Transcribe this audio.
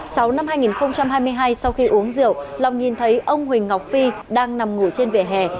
sáu năm hai nghìn hai mươi hai sau khi uống rượu long nhìn thấy ông huỳnh ngọc phi đang nằm ngủ trên vỉa hè